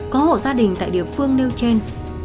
có hộ gia đình tại địa phương nêu trên